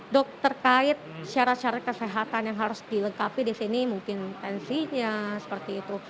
dok terkait syarat syarat kesehatan yang harus dilengkapi di sini mungkin tensinya seperti itu